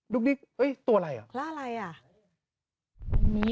ดุ๊กดิ๊กตัวอะไรอ่ะ